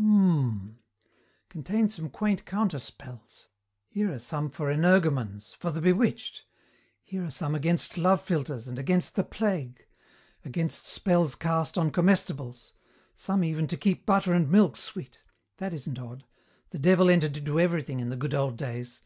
"Hmmm. Contains some quaint counter spells. Here are some for energumens, for the bewitched; here are some against love philtres and against the plague; against spells cast on comestibles; some, even, to keep butter and milk sweet. That isn't odd. The Devil entered into everything in the good old days.